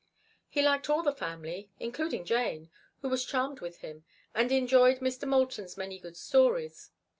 He liked all the family, including Jane, who was charmed with him, and enjoyed Mr. Moulton's many good stories.